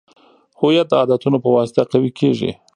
هویت د عادتونو په واسطه قوي کیږي.